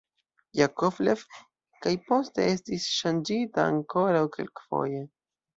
Jakovlev kaj poste estis ŝanĝita ankoraŭ kelkfoje.